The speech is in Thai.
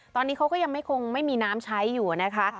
ตอนนี้เขาก็ยังไม่คงไม่มีน้ำใช้อยู่นะคะ